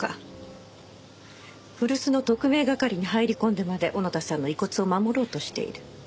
古巣の特命係に入り込んでまで小野田さんの遺骨を守ろうとしている。